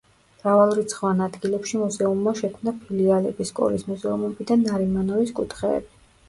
მრავალრიცხოვან ადგილებში მუზეუმმა შექმნა ფილიალები, სკოლის მუზეუმები და ნარიმანოვის კუთხეები.